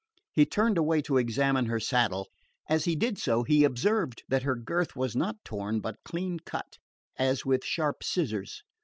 He turned away to examine her saddle. As he did so, he observed that her girth was not torn, but clean cut, as with sharp scissors.